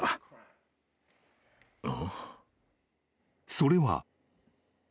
［それは］